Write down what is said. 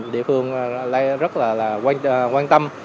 địa phương rất là quan tâm